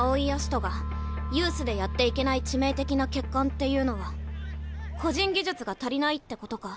葦人がユースでやっていけない致命的な欠陥っていうのは個人技術が足りないってことか？